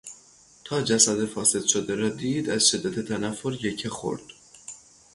تا جسد فاسد شده را دید از شدت تنفر یکه خورد.